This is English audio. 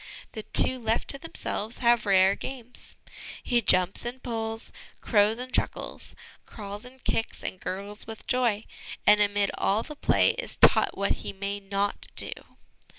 The two left to themselves have rare games. He jumps and pulls, crows and chuckles, crawls and kicks and gurgles with joy ; and, amid all the play, is taught what he may not do.